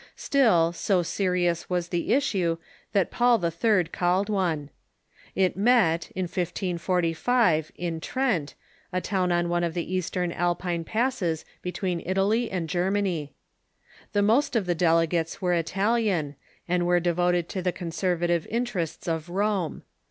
Still, so serious was the issue that Paul III. called one. It met, in 1545, in Trent, a town on one of the eastern Alpine passes between Italy and Germany. Tlie most of the delegates were Italian, and were devoted to the conservative interests of Rome.